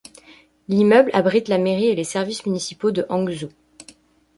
L'immeuble abrite la mairie et les services municipaux de Hangzhou.